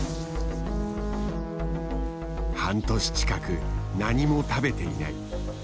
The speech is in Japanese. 半年近く何も食べていない。